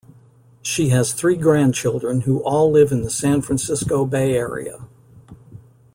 She has three grandchildren who all live in the San Francisco Bay Area.